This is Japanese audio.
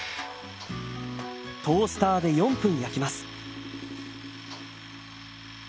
トースターで４分焼きます。